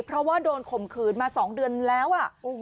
เพราะว่าโดนข่มขืนมา๒เดือนแล้ว